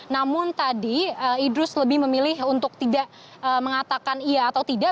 namun tadi idrus lebih memilih untuk tidak mengatakan iya atau tidak